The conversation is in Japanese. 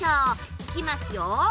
行きますよ。